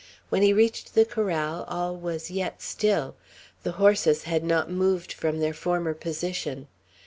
When he reached the corral, all was yet still. The horses had not moved from their former position.